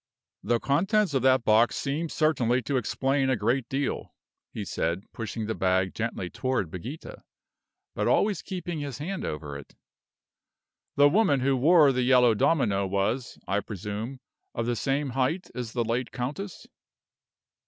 "The contents of that box seem certainly to explain a great deal," he said, pushing the bag gently toward Brigida, but always keeping his hand over it. "The woman who wore the yellow domino was, I presume, of the same height as the late countess?"